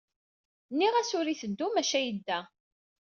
Nniɣ-as ur itteddu, maca yedda.